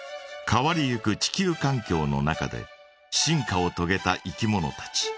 変わりゆく地球かん境の中で進化をとげたいきものたち。